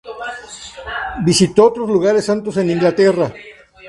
Visitó otros lugares santos en Inglaterra.